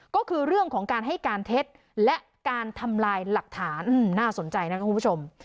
ก็คือเรื่องของการให้การเท็จและการทำลายหลักฐานน่าสนใจนะครับคุณผู้ชม